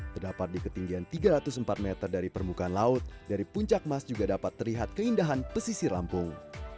terdapat di ketinggian tiga ratus empat meter dari permukaan laut dari puncak mas juga dapat terlihat keindahan pesisir lampung